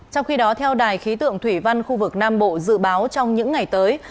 trong khi đó theo đài khí tượng thủy văn khu vực nam bộ dự báo trong những ngày tới